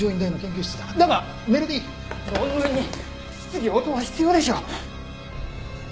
論文に質疑応答は必要でしょう。